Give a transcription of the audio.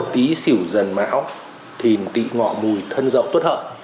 tí xỉu dần máu thìn tị ngọ mùi thân dậu tốt hợp